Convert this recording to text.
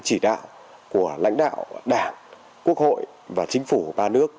chỉ đạo của lãnh đạo đảng quốc hội và chính phủ ba nước